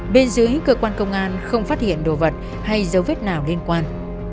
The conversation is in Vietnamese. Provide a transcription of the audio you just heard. bên dưới cơ quan công an không phát hiện đồ vật hay dấu vết nào liên quan